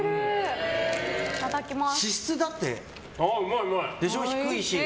いただきます。